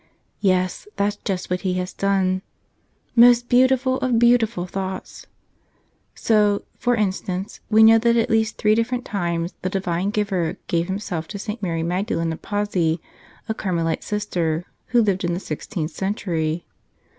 Yes; that's just what He has done. Most beautiful of beautiful thoughts ! So, for instance, we know that at least three different times the Divine Giver gave Himself to St. Mary Magdalen of Pazzi, a Carmelite Sister, who lived in the sixteenth century.